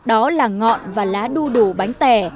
đó là ngọn và lá đu đủ bánh tẻ